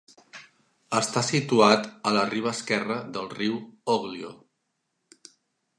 Està situat a la riba esquerra del riu Oglio.